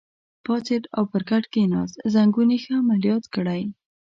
پاڅېد او پر کټ کېناست، زنګون یې ښه عملیات کړی.